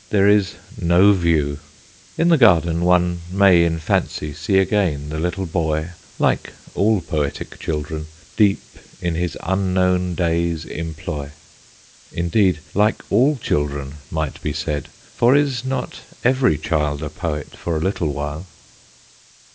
There is no view. In the garden one may in fancy see again the little boy, like all poetic children, "deep in his unknown day's employ." Indeed, like all children, might be said, for is not every child a poet for a little while?